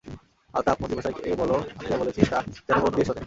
আলতাফ, মন্ত্রীমশাইকে বলো আমি যা বলছি তা, যেন মন দিয়ে শোনে।